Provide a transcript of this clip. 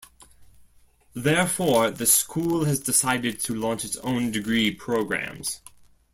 Therefore, the School has decided to launch its own degree programmes.